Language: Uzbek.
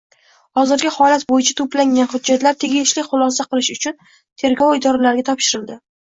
Hozirgi holat bo‘yicha to‘plangan hujjatlar tegishli xulosa qilish uchun tergov idoralariga topshirildi